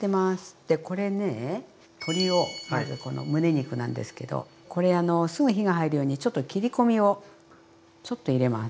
でこれね鶏をまずこのむね肉なんですけどこれあのすぐ火が入るようにちょっと切り込みを入れます。